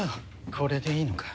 これでいいのか？